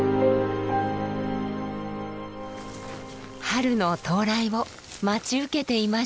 春の到来を待ち受けていました。